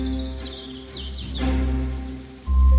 beraninya kau memasuki rumah kami tanpa izin